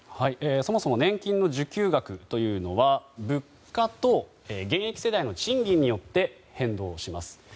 そもそも年金の受給額というのは物価と現役世代の賃金によって変動します。